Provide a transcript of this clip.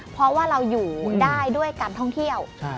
เพราะว่าเราอยู่ได้ด้วยการท่องเที่ยว